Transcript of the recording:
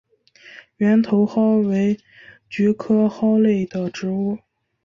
圆头蒿为菊科蒿属的植物。